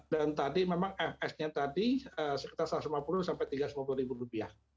dan tadi memang fsnya tadi sekitar rp satu ratus lima puluh rp tiga ratus lima puluh